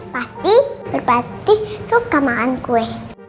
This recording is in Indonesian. pasti berpati suka makan kue